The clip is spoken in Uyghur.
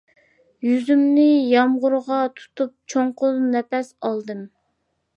يۈزۈمنى يامغۇرغا تۇتۇپ چوڭقۇر نەپەس ئالدىم.